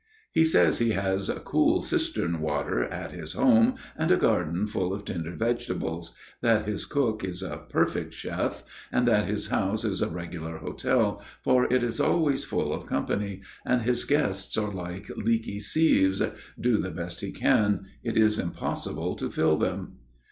He says he has cool cistern water at his house and a garden full of tender vegetables; that his cook is a perfect chef, and that his house is a regular hotel, for it is always full of company, and his guests are like leaky sieves,—do the best he can, it is impossible to fill them.